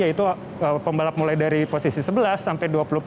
yaitu pembalap mulai dari posisi sebelas sampai dua puluh empat